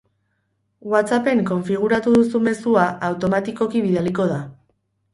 WhatsApp-en konfiguratu duzun mezua automatikoki bidaliko da.